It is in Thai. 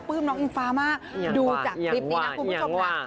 น้องอิงฟ้ามากดูจากคลิปนี้นะคุณผู้ชมค่ะ